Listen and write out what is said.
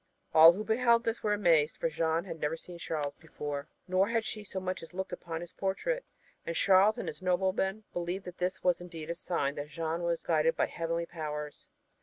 All who beheld this were amazed, for Jeanne had never seen Charles before, nor had she so much as looked upon his portrait and Charles and his noblemen believed that this was indeed a sign that Jeanne was guided by heavenly powers.